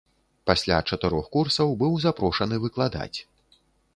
Пасля чатырох курсаў быў запрошаны выкладаць.